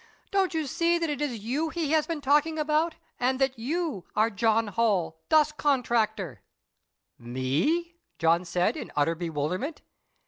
Don't you see that it is you he has been talking about, and that you are 'John Holl, Dust Contractor'?" "Me?" John said, in utter bewilderment.